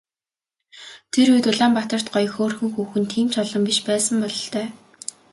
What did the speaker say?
Тэр үед Улаанбаатарт гоё хөөрхөн хүүхэн тийм ч олон биш байсан бололтой.